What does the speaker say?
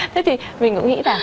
thế thì mình cũng nghĩ là